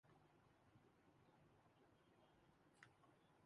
کھانوں کے لیے مشہور ہیں